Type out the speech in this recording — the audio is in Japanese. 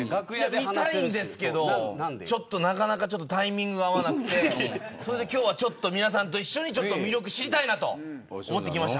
見たいんですけどなかなかタイミング合わなくてそれで今日は皆さんと一緒に魅力知りたいなと思って来ました。